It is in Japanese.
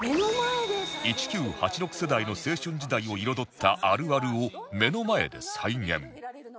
１９８６世代の青春時代を彩ったあるあるを目の前で再現